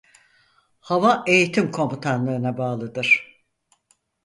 Hava Eğitim Komutanlığına bağlıdır.